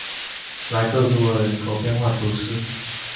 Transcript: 莱克图尔人口变化图示